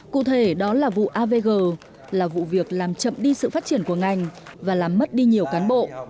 cụ thể đó là vụ avg là vụ việc làm chậm đi sự phát triển của ngành và làm mất đi nhiều cán bộ